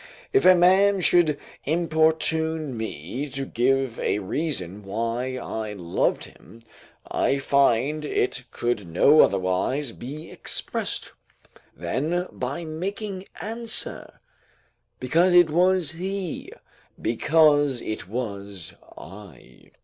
If a man should importune me to give a reason why I loved him, I find it could no otherwise be expressed, than by making answer: because it was he, because it was I.